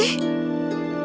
aku tidak tahu